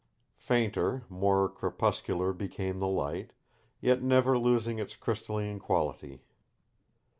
Fainter, more crepuscular became the light, yet never losing its crystalline quality.